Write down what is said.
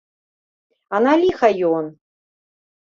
А на ліха ён!